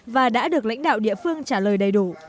và đã được lãnh đạo địa phương trả lời đầy đủ